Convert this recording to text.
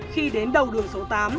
khi đến đầu đường số tám